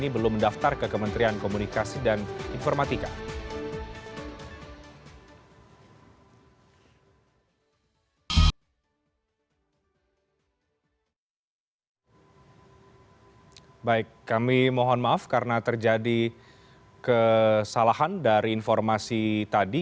baik kami mohon maaf karena terjadi kesalahan dari informasi tadi